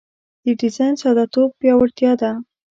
د ډیزاین ساده توب پیاوړتیا ده.